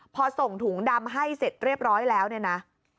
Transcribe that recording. พอส่งถุงดำให้เสร็จเรียบร้อยแล้วเนี่ยนะ